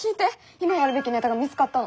今やるべきネタが見つかったの。